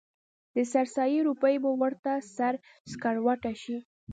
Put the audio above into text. د سر سایې روپۍ به ورته سره سکروټه شي.